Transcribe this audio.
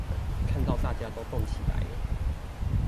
看到大家都動起來了